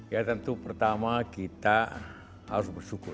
ya tentu pertama kita harus bersyukur